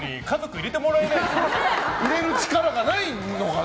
入れる力がないのかね。